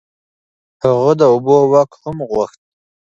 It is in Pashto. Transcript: هغه د اوبو واک هم غوښت.